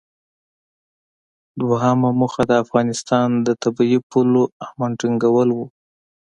دویمه موخه د افغانستان د طبیعي پولو امن ټینګول و.